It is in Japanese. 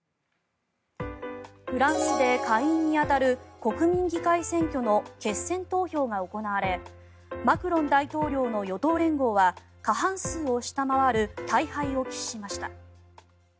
フランスで下院に当たる国民議会選挙の決選投票が行われマクロン大統領の与党連合は過半数を下回る大敗を喫しました。